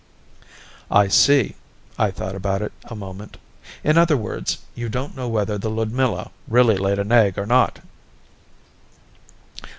"I see." I thought about it a moment. "In other words, you don't know whether the Ludmilla really laid an egg or not."